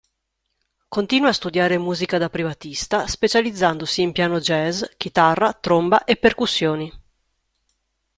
Continua a studiare musica da privatista, specializzandosi in piano jazz, chitarra, tromba e percussioni.